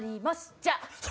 じゃあ！